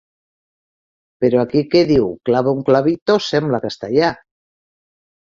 Però aquí que diu “clavó un clavito” sembla castellà.